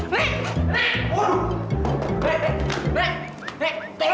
wah nenek nek